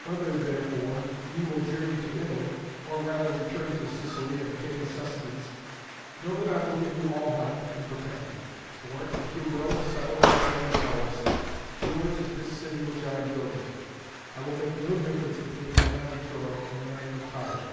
Whether, therefore, ye will journey to Italy, or rather return to Sicily and King Acestes, know that I will give you all help, and protect you; or, if ye will, settle in this land of ours. Yours is this city which I am building. I will make no difference between man of Troy and man of Tyre.